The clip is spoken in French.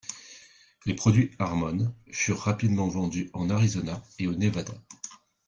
Les produits Harmon furent rapidement vendus en Arizona et au Nevada.